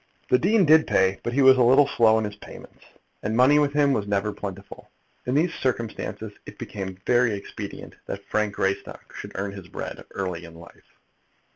The dean did pay; but he was a little slow in his payments, and money with him was never very plentiful. In these circumstances it became very expedient that Frank Greystock should earn his bread early in life.